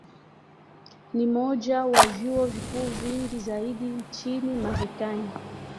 Ni moja ya vyuo vikuu vingi zaidi nchini Marekani.